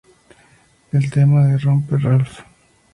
El tema de ¡Rompe Ralph!